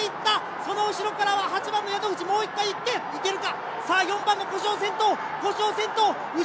その後ろからは宿口、もう１回行っていけるか？